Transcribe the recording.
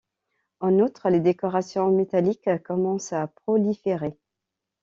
En outre, les décorations métalliques commencent à proliférer.